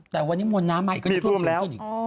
แต่วันนี้มนต์น้ำใหม่ก็ยังไม่ท่วมสิ้น